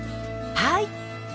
はい。